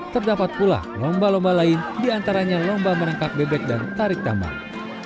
terdapat pula lomba lomba lain diantaranya lomba menangkap bebek dan tarik tambang